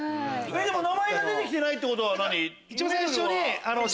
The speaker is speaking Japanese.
でも名前が出てきてないってことは。